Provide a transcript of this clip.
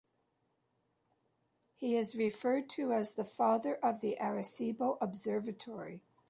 He is referred to as the "father of the Arecibo Observatory".